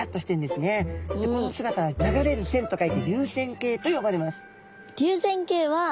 でこの姿は流れる線と書いて流線形と呼ばれます。